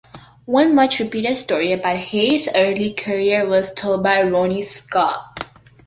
One much repeated story about Hayes' early career was told by Ronnie Scott.